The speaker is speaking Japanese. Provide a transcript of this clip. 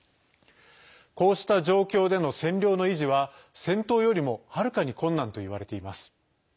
こうした状況での占領の維持は戦闘よりもはるかに困難といわれています。